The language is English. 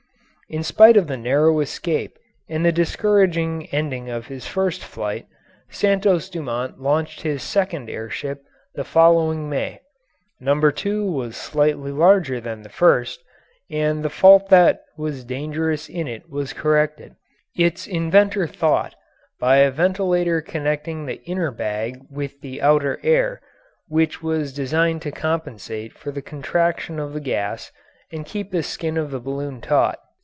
In spite of the narrow escape and the discouraging ending of his first flight, Santos Dumont launched his second air ship the following May. Number 2 was slightly larger than the first, and the fault that was dangerous in it was corrected, its inventor thought, by a ventilator connecting the inner bag with the outer air, which was designed to compensate for the contraction of the gas and keep the skin of the balloon taut.